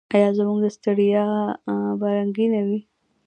آیا زموږ دسترخان به رنګین وي؟